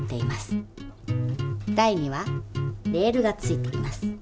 台にはレールが付いています。